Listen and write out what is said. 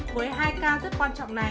với hai ca rất quan trọng này